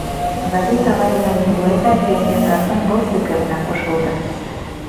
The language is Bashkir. Ғәбит ағай менән Юлай ҙа пионерҙарҙың был фекеренә ҡушылды.